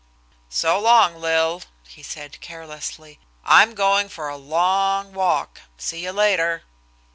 "So long, Lil," he said carelessly. "I'm going for a long walk. See you later."